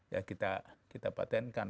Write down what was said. ya kita patenkan